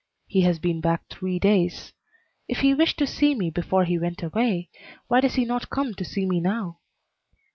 He has been back three days. If he wished to see me before he went away, why does he not come to see me now?